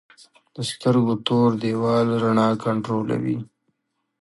د سترګو تور دیوال رڼا کنټرولوي